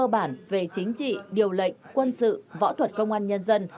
cơ bản về chính trị điều lệnh quân sự võ thuật công an nhân dân